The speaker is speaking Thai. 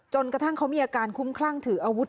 กระทั่งเขามีอาการคุ้มคลั่งถืออาวุธ